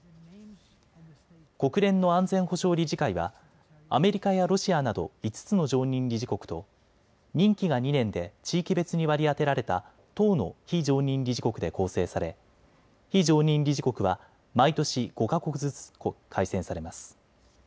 国連の安全保障理事会はアメリカやロシアなど５つの常任理事国と任期が２年で地域別に割り当てられた１０の非常任理事国で構成され非常任理事国は毎年５か国ずつ改選されます。